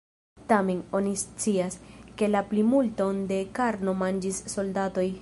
Tamen, oni scias, ke la plimulton de karno manĝis soldatoj.